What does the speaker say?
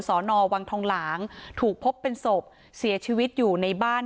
สอนอวังทองหลางถูกพบเป็นศพเสียชีวิตอยู่ในบ้าน